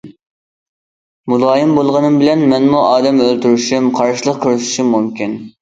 ‹‹ مۇلايىم بولغىنىم بىلەن مەنمۇ ئادەم ئۆلتۈرۈشۈم، قارشىلىق كۆرسىتىشىم مۇمكىن››.